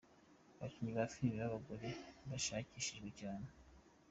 Abakinnyi ba filime b’abagore bashakishijwe cyane.